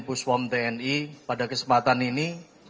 push form tni pada kesempatan ini